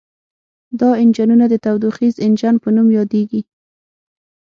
دا انجنونه د تودوخیز انجن په نوم یادیږي.